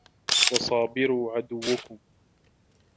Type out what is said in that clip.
وَصَابِرُوا عَدُوَّكُمْ